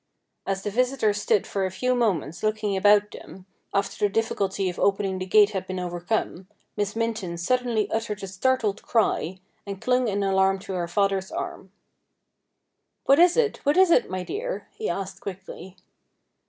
As the visitors stood for a few moments looking about 206 STORIES WEIRD AND WONDERFUL them, after the difficulty of opening the gate had been over come, Miss Minton suddenly uttered a startled cry, and clung in alarm to her father's arm. ' What is it, what is it, my dear ?' he asked quickly.